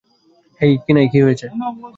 হেই কিনাই, কী হয়েছে?